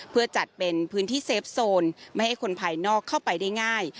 เพื่อจัดเป็นพื้นที่เซฟโซนไม่ให้คนภายนอกเข้าไปได้ง่าย